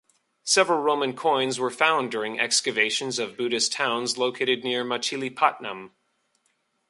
Several Roman coins were found during excavations of Buddhist towns located near Machilipatnam.